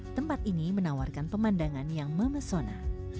tempat ini menawarkan pemandangan yang memesona